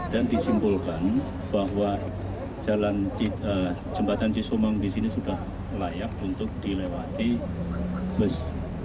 dan disimpulkan bahwa jembatan cisumang di sini sudah layak untuk dilewati bus